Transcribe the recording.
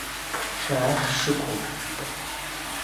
Шәара шәшықәу.